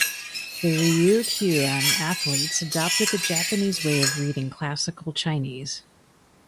The Ryukyuan elites adopted the Japanese way of reading Classical Chinese.